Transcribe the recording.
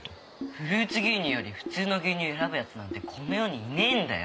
フルーツ牛乳より普通の牛乳選ぶ奴なんてこの世にいねえんだよ。